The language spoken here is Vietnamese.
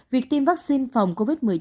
việc tiêm vaccine phòng covid một mươi chín